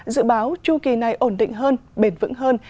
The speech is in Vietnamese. dự báo chu kỳ này ổn định hơn bền vững hơn